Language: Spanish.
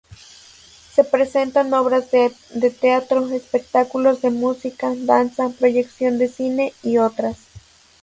Se presentan obras de teatro, espectáculos de música, danza, proyección de cine y otras.